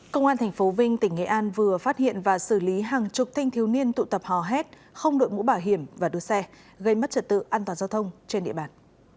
công an tp vinh tỉnh nghệ an vừa phát hiện và xử lý hàng chục thanh thiếu niên tụ tập hò hét không đội mũ bảo hiểm và đưa xe gây mất trật tự an toàn giao thông trên địa bàn